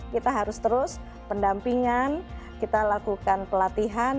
kita harus terus pendampingan kita lakukan pelatihan